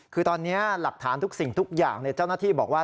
คือตอนนี้หลักฐานทุกสิ่งทุกอย่างเจ้าหน้าที่บอกว่า